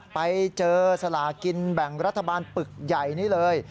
ไปเจอสลากินแบ่งรัฐบาลปึกใหญ่นี่เลย